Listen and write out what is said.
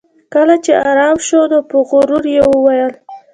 کله چې ارام شو نو په غرور یې وویل